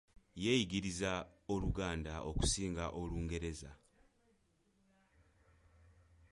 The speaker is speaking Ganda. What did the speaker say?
Yeeyigiriza OLuganda okusinga Olungereza.